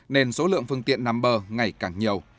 nên số lượng phương tiện nằm bờ ngày càng nhiều